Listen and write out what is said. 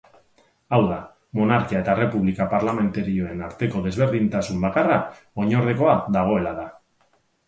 Hau da, monarkia eta errepublika parlamentarioen arteko desberdintasun bakarra oinordekoa dagoela da.